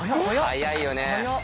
速いよね。